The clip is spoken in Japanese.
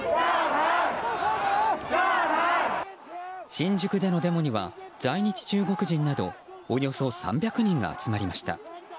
新宿でのデモには在日中国人などおよそ３００人が集まりました。